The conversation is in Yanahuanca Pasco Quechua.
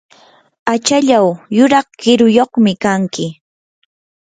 achallaw yuraq kiruyuqmi kanki.